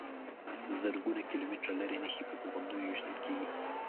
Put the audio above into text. زرګونه کیلومتره لرې نښې په توغندیو ویشتل کېږي.